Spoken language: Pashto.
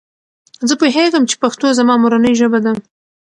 زه پوهیږم چې پښتو زما مورنۍ ژبه ده.